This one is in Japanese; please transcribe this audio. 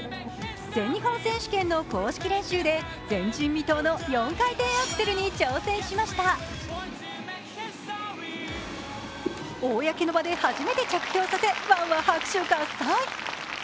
全日本選手権の公式練習で前人未到の４回転アクセルに挑戦しました公の場で初めて着氷させファンは拍手喝采。